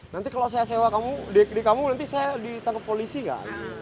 nanti kalau saya sewa di kamu nanti saya ditangkap polisi gak